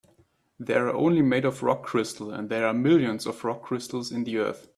They're only made of rock crystal, and there are millions of rock crystals in the earth.